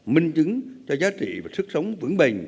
minh chứng cho giá trị và sức sống vững bền